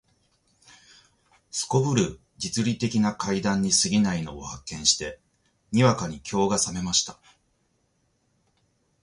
頗る実利的な階段に過ぎないのを発見して、にわかに興が覚めました